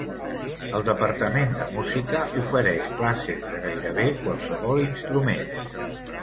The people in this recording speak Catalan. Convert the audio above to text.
El departament de música ofereix classes de gairebé qualsevol instrument.